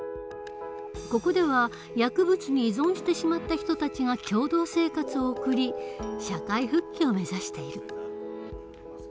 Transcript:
ここでは薬物に依存してしまった人たちが共同生活を送り社会復帰を目指している。